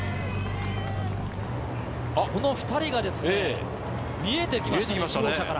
この２人が見えてきました。